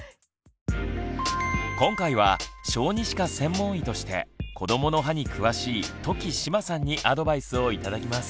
今回は小児歯科専門医として子どもの歯に詳しい土岐志麻さんにアドバイスを頂きます。